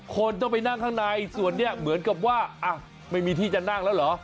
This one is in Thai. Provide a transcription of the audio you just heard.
คนต้องไปนั่งข้างในส่วนนี้เหมือนกับว่าไม่มีที่จะนั่งแล้วเหรอ